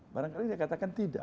barangkali dia katakan tidak